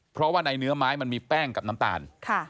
เพราะว่าในเนื้อไม้มันมีแป้งกับน้ำตาล